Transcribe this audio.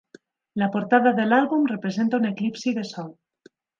La portada de l'àlbum representa un eclipsi de sol.